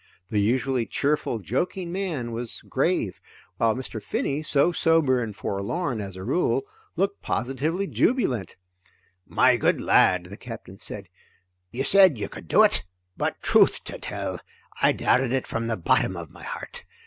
The usually cheerful, joking man was grave, while Mr. Finney, so sober and forlorn as a rule, looked positively jubilant. "My good lad," the Captain said, "you said you could do it, but truth to tell, I doubted it from the bottom of my heart.